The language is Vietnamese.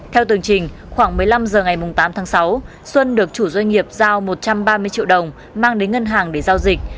theo tường trình khoảng một mươi năm h ngày tám tháng sáu xuân được chủ doanh nghiệp giao một trăm ba mươi triệu đồng mang đến ngân hàng để giao dịch